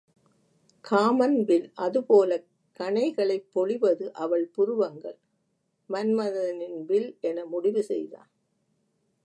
காமன்வில் அதுபோலக் கணைகளைப் பொழிவது அவள் புருவங்கள் மன்மதனின் வில் என முடிவு செய்தான்.